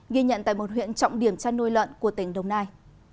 ghi nhận tại một huyện trọng điểm chăn nuôi lợn của tỉnh đồng nai